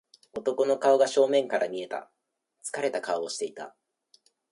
男の顔が正面から見えた。疲れた顔をしていた。